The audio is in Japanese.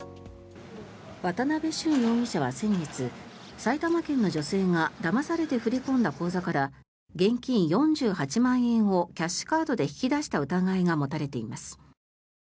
渡邉舜容疑者は先月埼玉県の女性がだまされて振り込んだ口座から現金４８万円をキャッシュカードで引き出した疑いが持たれています。